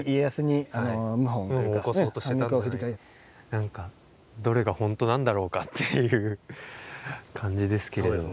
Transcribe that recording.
何かどれが本当なんだろうかっていう感じですけれども。